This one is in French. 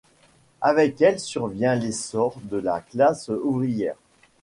Avec elle survient l'essor de la classe ouvrière.